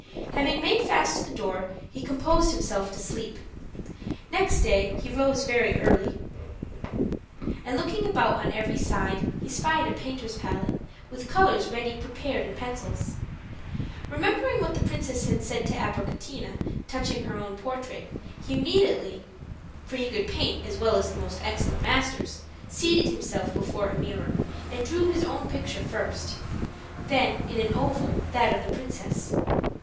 Having made fast the door, he composed himself to sleep. Next day he rose very early, and looking about on every side, he spied a painter's pallet, with colors ready prepared and pencils. Remembering what the princess had said to Abricotina touching her own portrait, he immediately (for he could paint as well as the most excellent masters) seated himself before a mirror and drew his own picture first; then, in an oval, that of the princess.